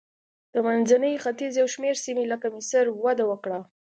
د منځني ختیځ یو شمېر سیمې لکه مصر وده وکړه.